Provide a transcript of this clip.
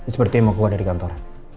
seperti yang mau keluar dari kantor